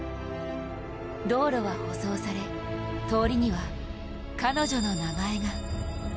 道路は舗装され、通りには彼女の名前が。